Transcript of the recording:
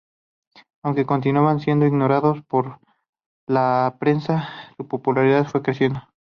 Aunque continuaban siendo ignorados por la prensa, su popularidad fue creciendo.